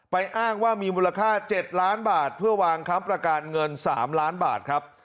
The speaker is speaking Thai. อ้างว่ามีมูลค่า๗ล้านบาทเพื่อวางค้ำประกันเงิน๓ล้านบาทครับ